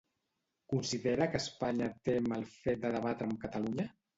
Considera que Espanya tem el fet de debatre amb Catalunya?